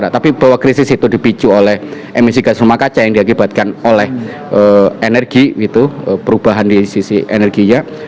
tapi bahwa krisis itu dipicu oleh emisi gas rumah kaca yang diakibatkan oleh energi perubahan di sisi energinya